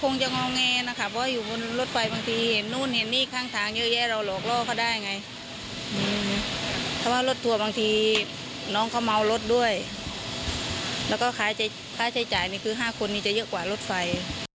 เมื่อกี้น้องเขาเมารถด้วยแล้วก็ค่าใช้จ่ายนี่คือ๕คนนี้จะเยอะกว่ารถไฟ